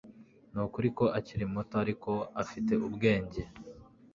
Nukuri ko akiri muto ariko afite ubwenge